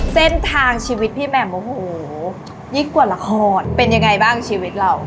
เส้นทางชีวิตพี่แหม่มโอ้โหยิ่งกว่าละครเป็นยังไงบ้างชีวิตเรา